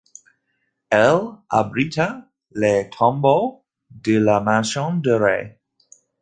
Elle abrita les tombeaux de la maison de Ray.